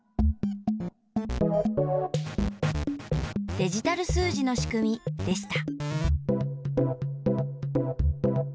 デジタル数字のしくみでした。